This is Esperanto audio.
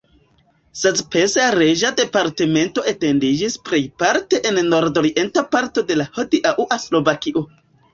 Szepes reĝa departemento etendiĝis plejparte en nordorienta parto de hodiaŭa Slovakio.